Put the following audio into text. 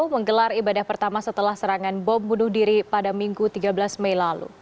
menggelar ibadah pertama setelah serangan bom bunuh diri pada minggu tiga belas mei lalu